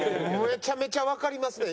めちゃめちゃわかりますね。